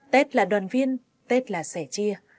tết là đoàn viên tết là sẻ chia